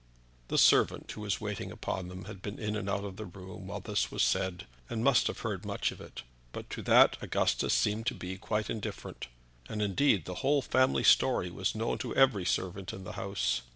The servant who was waiting upon them had been in and out of the room while this was said, and must have heard much of it. But to that Augustus seemed to be quite indifferent. And, indeed, the whole family story was known to every servant in the house.